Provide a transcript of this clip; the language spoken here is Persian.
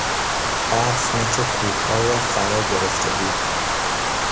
برف نوک کوهها را فرا گرفته بود.